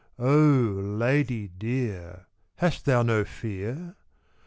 O lady dear, hast thou no fear?